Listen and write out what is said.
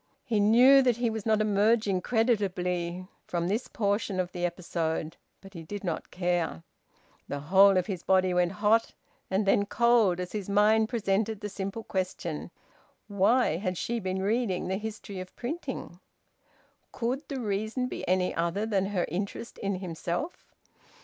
He knew that he was not emerging creditably from this portion of the episode. But he did not care. The whole of his body went hot and then cold as his mind presented the simple question: "Why had she been reading the history of printing?" Could the reason be any other than her interest in himself?